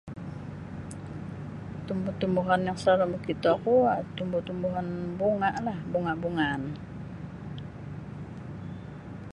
Tumbu-tumbuhan yang salalu' mokitoku um tumbu-tumbuhan bungalah bunga'-bungaan.